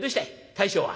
大将は」。